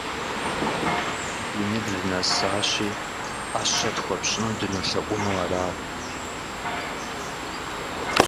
Ди ныбжь нэсащи, ӏэщэ тхуэпщӏыну дынолъэӏуну арат.